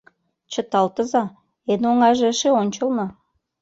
— Чыталтыза, эн оҥайже эше ончылно.